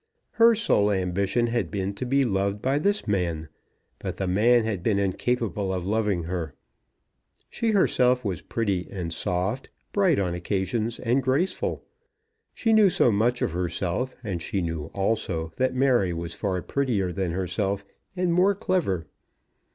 Her sole ambition had been to be loved by this man; but the man had been incapable of loving her. She herself was pretty, and soft, bright on occasions, and graceful. She knew so much of herself; and she knew, also, that Mary was far prettier than herself, and more clever.